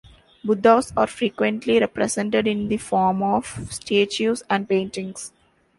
Buddhas are frequently represented in the form of statues and paintings.